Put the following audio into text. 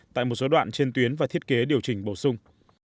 tại một số đoạn trên tuyến và thiết kế điều chỉnh bổ sung